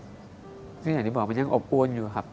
บ๊วยบ๊วยอย่างที่บอกมันยังอบอวนอยู่ครับ